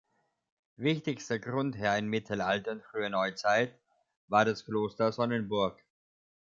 Wichtigster Grundherr in Mittelalter und Früher Neuzeit war das Kloster Sonnenburg.